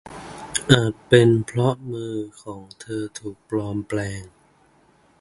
อาจเป็นเพราะมือของเธอถูกปลอมแปลง